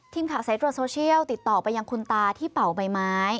สายตรวจโซเชียลติดต่อไปยังคุณตาที่เป่าใบไม้